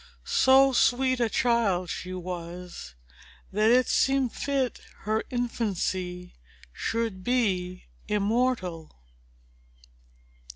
So sweet a child she was, that it seemed fit her infancy should be immortal!